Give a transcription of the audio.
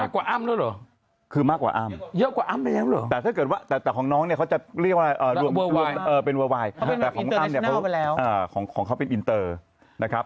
คือมากกว่าอำแต่ของน้องเขาจะเรียกว่าเวอร์ไวน์เขาเป็นอินเตอร์นะครับ